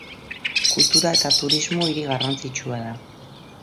Kultura eta turismo hiri garrantzitsua da.